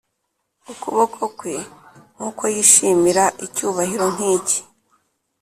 ukuboko kwe, nkuko yishimira icyubahiro nk'iki,